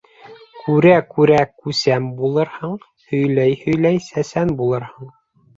Күрә-күрә күсәм булырһың, һөйләй-һөйләй сәсән булырһың.